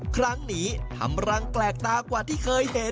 ครั้งนี้ทำรังแปลกตากว่าที่เคยเห็น